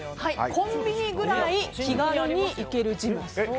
コンビニぐらい気軽に行けるジムです。